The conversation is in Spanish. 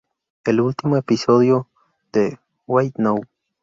El último episodio de "Why Not?